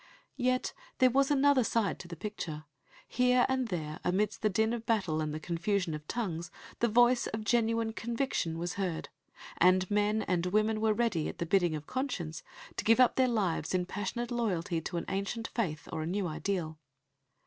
Yet there was another side to the picture; here and there, amidst the din of battle and the confusion of tongues, the voice of genuine conviction was heard; and men and women were ready, at the bidding of conscience, to give up their lives in passionate loyalty to an ancient faith or to a new ideal.